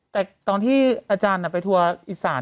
แต่ตอนที่อาจารย์ไปทัวร์อีสาน